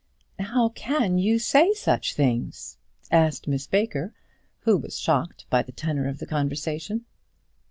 "How can you say such things?" asked Miss Baker, who was shocked by the tenor of the conversation.